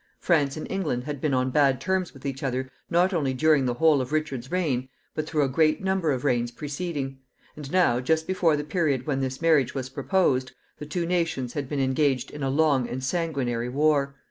France and England had been on bad terms with each other not only during the whole of Richard's reign, but through a great number of reigns preceding; and now, just before the period when this marriage was proposed, the two nations had been engaged in a long and sanguinary war.